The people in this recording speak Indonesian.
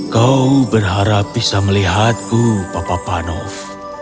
kau berharap bisa melihatku papa panov